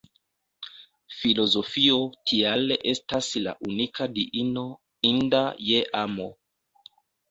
Filozofio tial estas la unika Diino inda je amo.